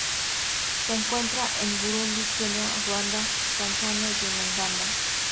Se encuentra en Burundi, Kenia, Ruanda, Tanzania y en Uganda.